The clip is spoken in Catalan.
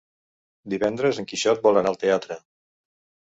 Divendres en Quixot vol anar al teatre.